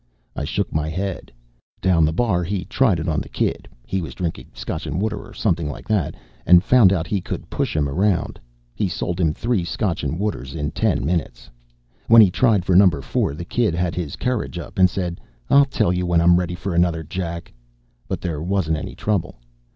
I shook my head. Down the bar, he tried it on the kid he was drinking scotch and water or something like that and found out he could push him around. He sold him three scotch and waters in ten minutes. When he tried for number four, the kid had his courage up and said, "I'll tell you when I'm ready for another, Jack." But there wasn't any trouble.